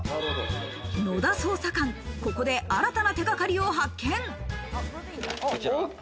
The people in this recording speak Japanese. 野田捜査官、ここで新たな手掛かりを発見。